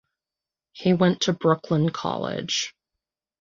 He went to Brooklyn College.